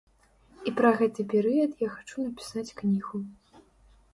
І пра гэты перыяд я хачу напісаць кнігу.